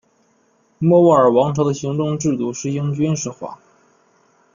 莫卧儿王朝的行政制度实行军事化。